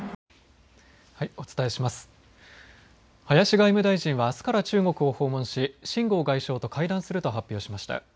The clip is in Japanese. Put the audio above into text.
林外務大臣はあすから中国を訪問し秦剛外相と会談すると発表しました。